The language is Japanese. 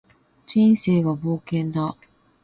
人生は冒険だ